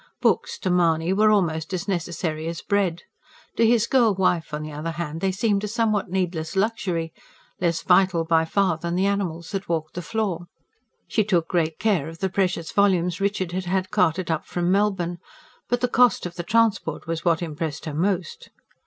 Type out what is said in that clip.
Books to Mahony were almost as necessary as bread; to his girl wife, on the other hand, they seemed a somewhat needless luxury less vital by far than the animals that walked the floor. She took great care of the precious volumes Richard had had carted up from Melbourne; but the cost of the transport was what impressed her most.